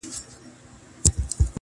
پرې کرم د اِلهي دی,